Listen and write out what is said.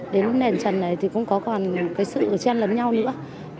đến nền trần này thì cũng có còn cái sự chen lấn nhau nữa